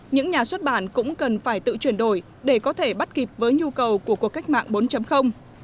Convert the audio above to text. những nhà xuất bản cũng cần phải tự chuyển đổi để có thể bắt kịp với nhu cầu của cuộc cách mạng bốn